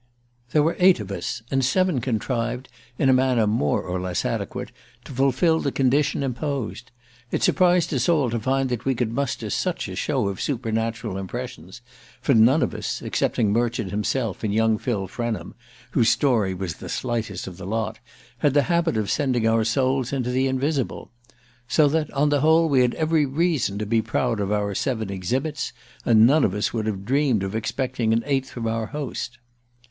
There were eight of us, and seven contrived, in a manner more or less adequate, to fulfil the condition imposed. It surprised us all to find that we could muster such a show of supernatural impressions, for none of us, excepting Murchard himself and young Phil Frenham whose story was the slightest of the lot had the habit of sending our souls into the invisible. So that, on the whole, we had every reason to be proud of our seven "exhibits," and none of us would have dreamed of expecting an eighth from our host.